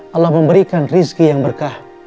allah memberikan rizki yang berkah